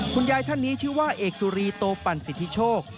คุณยายท่านนี้ชื่อว่าเอกสุรีโตปั่นสิทธิโชค